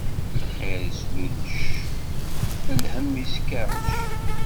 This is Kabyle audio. Lxiṛ islulluc, lhemm iskeɛɛuc.